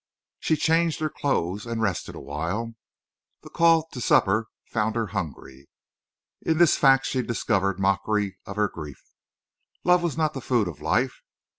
She changed her clothes and rested a while. The call to supper found her hungry. In this fact she discovered mockery of her grief. Love was not the food of life.